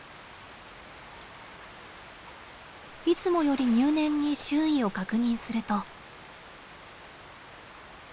いつもより入念に周囲を確認すると。